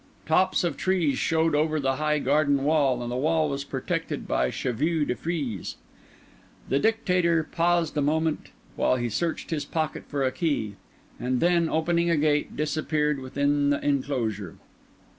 Tops of trees showed over the high garden wall, and the wall was protected by chevaux de frise. The Dictator paused a moment while he searched his pocket for a key; and then, opening a gate, disappeared within the enclosure.